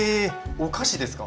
お菓子ですか？